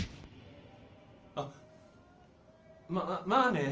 あっままあね。